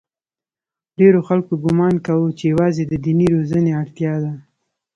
ډېرو خلکو ګومان کاوه چې یوازې د دیني روزنې اړتیا ده.